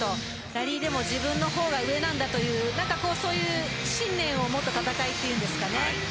ラリーでも自分の方が上なんだという信念を持った戦いというですかね